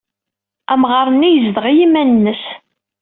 Amɣar-nni yezdeɣ i yiman-nnes.